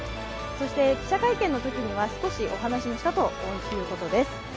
記者会見のときには少しお話もしたということです。